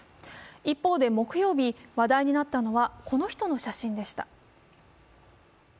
一方で、木曜日話題になったのは、この人の写真でした。